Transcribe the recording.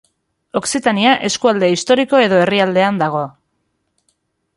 Okzitania eskualde historiko edo herrialdean dago.